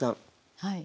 はい。